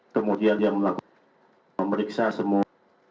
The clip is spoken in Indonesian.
kemudian dia melakukan memeriksa semua